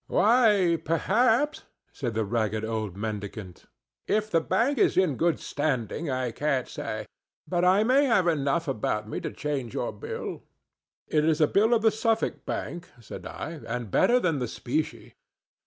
"Why, perhaps," said the ragged old mendicant, "if the bank is in good standing, I can't say but I may have enough about me to change your bill." "It is a bill of the Suffolk Bank," said I, "and better than the specie."